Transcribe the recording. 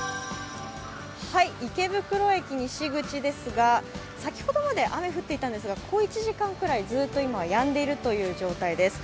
池袋駅西口ですが先ほどまで雨、降っていたんですが小一時間ぐらいずっと今はやんでいるという状態です。